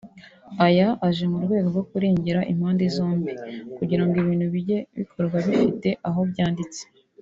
Aya aje mu rwego rwo kurengera impande zombi kugira ngo ibintu bijye bikorwa bifite aho byanditse